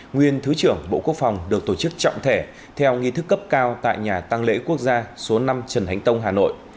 nguyên thứ trưởng bộ quốc phòng được tổ chức trọng thể theo nghi thức cấp cao tại nhà tăng lễ quốc gia số năm trần hành tông hà nội